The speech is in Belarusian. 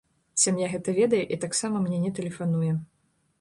Сям'я гэта ведае і таксама мне не тэлефануе.